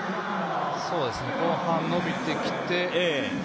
後半、伸びてきて。